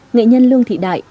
nghệ nhân lương thị đại